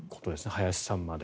林さんまで。